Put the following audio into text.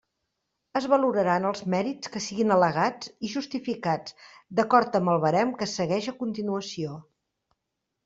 Es valoraran els mèrits que siguin al·legats i justificats d'acord amb el barem que segueix a continuació.